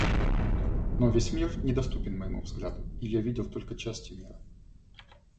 Но весь мир недоступен моему взгляду, и я видел только части мира.